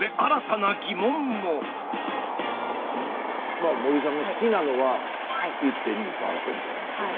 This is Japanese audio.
まあ森さんが好きなのは１．２％なんですよね。